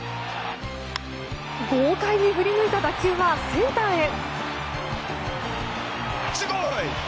豪快に振り抜いた打球はセンターへ。